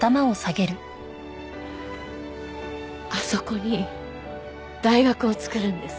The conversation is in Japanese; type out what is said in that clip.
あそこに大学を作るんです。